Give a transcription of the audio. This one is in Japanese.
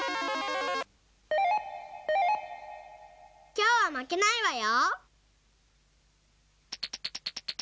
きょうはまけないわよ。